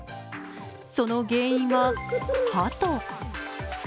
その原因はハト。